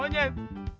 ana kasih hormat